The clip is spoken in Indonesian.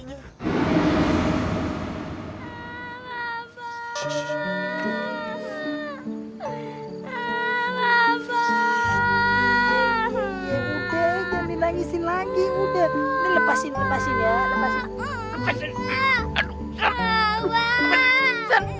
iya udah jangan nangisin lagi udah lepasin lepasin ya